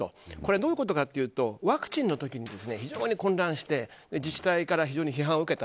どういうことかというとワクチンの時に非常に混乱して自治体から非常に批判を受けた。